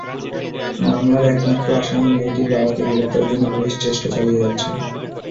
মামলার একমাত্র আসামি মেয়েটির বাবাকে গ্রেপ্তারের জন্য পুলিশ চেষ্টা চালিয়ে যাচ্ছে।